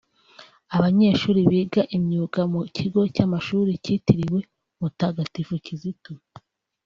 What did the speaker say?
Abanyeshuri biga imyuga mu kigo cy’Amashuli kitiriwe Mutagatifu Kizito